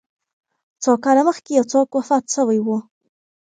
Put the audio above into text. څو کاله مخکي یو څوک وفات سوی و